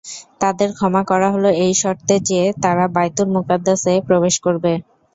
তাদের ক্ষমা করা হল এই শর্তে যে, তারা বায়তুল মুকাদ্দাসে প্রবেশ করবে।